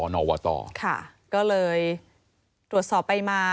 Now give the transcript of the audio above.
นวตค่ะก็เลยตรวจสอบไปมา